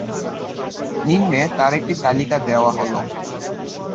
নিম্নে তার একটি তালিকা দেওয়া হলো।